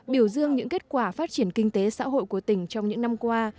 biểu dương những kết quả phát triển kinh tế xã hội của tỉnh trong những năm qua